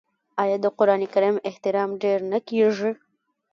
آیا د قران کریم احترام ډیر نه کیږي؟